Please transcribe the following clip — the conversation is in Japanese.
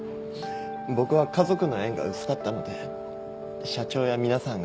僕は家族の縁が薄かったので社長や皆さんが。